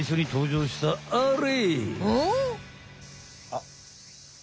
あっ。